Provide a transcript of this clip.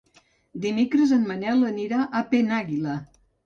Dimecres en Manel anirà a Penàguila.